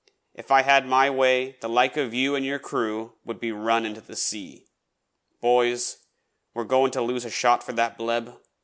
If I had my way, the like of you an' your crew would be run into the sea. Boys, are we goin' to lose a shot for that bleb?